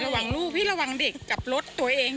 ระหว่างลูกพี่ระวังเด็กกับรถตัวเอง